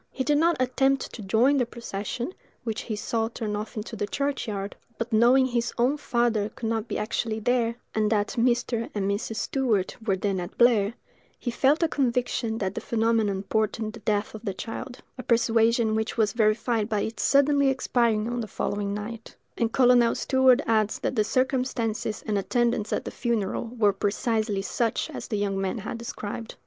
He did not attempt to join the procession, which he saw turn off into the churchyard: but knowing his own father could not be actually there, and that Mr. and Mrs. Stewart were then at Blair, he felt a conviction that the phenomenon portended the death of the child: a persuasion which was verified by its suddenly expiring on the following night;—and Colonel Stewart adds that the circumstances and attendants at the funeral were precisely such as the young man had described.